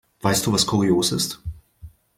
Weißt du, was kurios ist?